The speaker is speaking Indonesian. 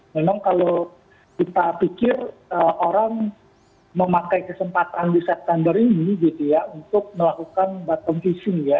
memang kalau kita pikir orang memakai kesempatan di september ini gitu ya untuk melakukan bottom fishing ya